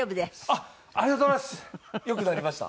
ありがとうございます。